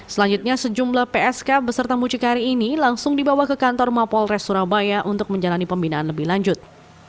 selanjutnya sejumlah psk beserta mucikari ini langsung dibawa ke kantor mapolres surabaya untuk menjalani pembinaan lebih lanjut